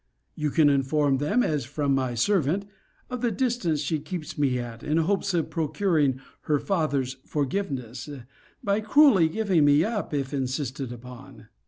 You can inform them, as from my servant, of the distance she keeps me at, in hopes of procuring her father's forgiveness, by cruelly giving me up, if insisted upon.